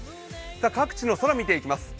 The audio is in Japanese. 各地の空、見ていきます。